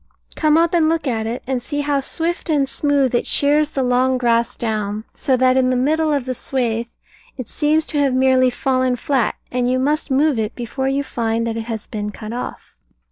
Come up and look at it, and see how swift and smooth it shears the long grass down, so that in the middle of the swathe it seems to have merely fallen flat, and you must move it before you find that it has been cut off.